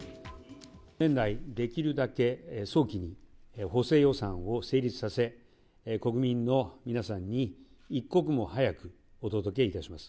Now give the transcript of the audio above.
年内、できるだけ早期に補正予算を成立させ、国民の皆さんに一刻も早くお届けいたします。